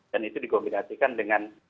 dan itu dikombinasikan dengan